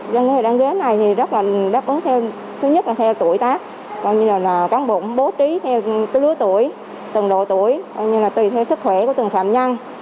cho người đang ghế này thì rất là đáp ứng theo thứ nhất là theo tuổi tác con như là cán bộ bố trí theo lứa tuổi tầng độ tuổi con như là tùy theo sức khỏe của từng phạm nhân